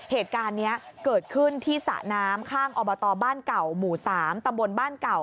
เหตุการณ์นี้เกิดขึ้นที่สระน้ำข้างอบตบ้านเก่าหมู่๓ตำบลบ้านเก่า